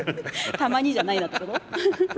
たまにじゃないなってこと？